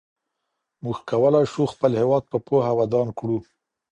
موږ کولای سو خپل هېواد په پوهه ودان کړو.